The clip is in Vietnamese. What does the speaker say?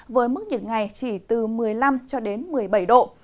với mức nhiệt ngày chỉ từ một mươi năm cho đến một mươi bảy độ